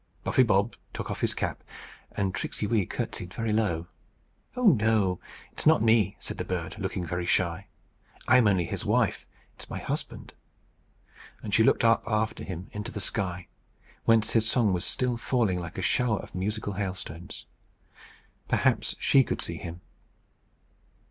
Buffy Bob took off his cap, and Tricksey Wee courtesied very low. "Oh, it's not me," said the bird, looking very shy. "I am only his wife. It's my husband." And she looked up after him into the sky, whence his song was still falling like a shower of musical hailstones. Perhaps she could see him.